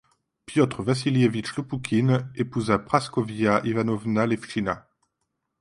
Piotr Vassilievitch Lopoukhine épousa Praskovia Ivanovna Levchina.